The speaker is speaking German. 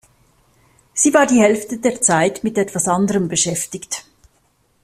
Sie war die Hälfte der Zeit mit etwas anderem beschäftigt.